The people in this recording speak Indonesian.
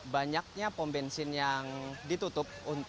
banyaknya pom bensin yang ditutup